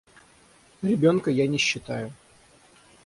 Ребенка я не считаю.